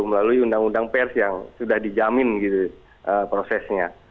melalui undang undang pers yang sudah dijamin gitu prosesnya